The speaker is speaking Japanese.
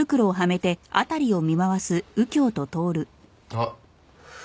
あっ。